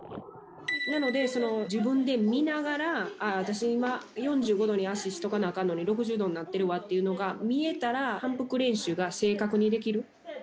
なので自分で見ながら私は今４５度に足をしとかなあかんのに６０度になってるわっていうのが分かったら反復練習が正確にできる。